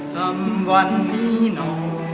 ทำวันนี้หน่อย